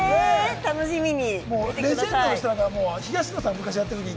楽しみに。